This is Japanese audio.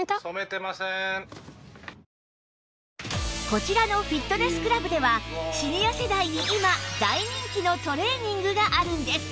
こちらのフィットネスクラブではシニア世代に今大人気のトレーニングがあるんです